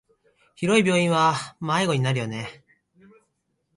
広い病院は迷子になるよね。